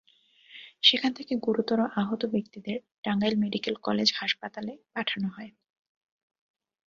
সেখান থেকে গুরুতর আহত ব্যক্তিদের টাঙ্গাইল মেডিকেল কলেজ হাসপাতালে পাঠানো হয়।